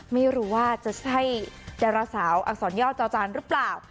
ไม่รู้ว่าจะใช่ดาราสาวอักษรย่อจอจานหรือเปล่า